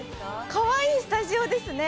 かわいいスタジオですね！